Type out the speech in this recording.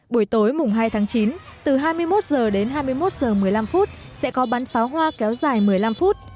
buổi tối mùng hai tháng chín từ hai mươi một h đến hai mươi một h một mươi năm sẽ có bắn pháo hoa kéo dài một mươi năm phút